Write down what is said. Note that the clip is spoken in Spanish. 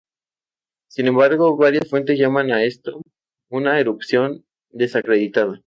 Sin embargo, varias fuentes llaman a esto una "erupción desacreditada".